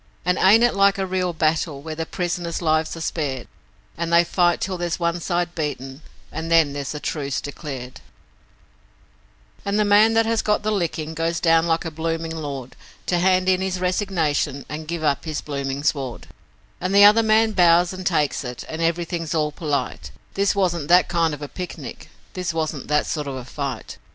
And it ain't like a real battle, where the prisoners' lives are spared, And they fight till there's one side beaten and then there's a truce declared, And the man that has got the licking goes down like a blooming lord To hand in his resignation and give up his blooming sword, And the other man bows and takes it, and everything's all polite This wasn't that kind of a picnic, this wasn't that sort of a fight.